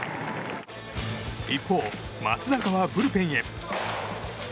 一方、松坂はブルペンへ。